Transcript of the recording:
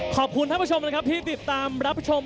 ขอบคุณท่านผู้ชมนะครับที่ติดตามรับชม